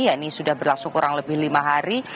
ya ini sudah berlangsung kurang lebih lima hari